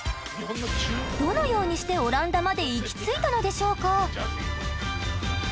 どのようにしてオランダまで行き着いたのでしょうか？